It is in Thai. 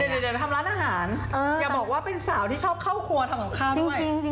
เดี๋ยวทำร้านอาหารอย่าบอกว่าเป็นสาวที่ชอบเข้าครัวทำกับข้าวจริง